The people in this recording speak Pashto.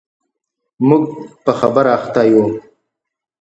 موږ په خبرو اخته و.